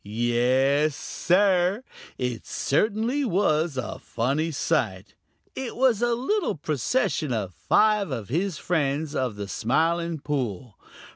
Yes, Sir, it certainly was a funny sight. It was a little procession of five of his friends of the Smiling Pool.